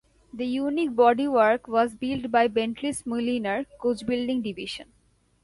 The unique bodywork was built by Bentley's Mulliner coachbuilding division.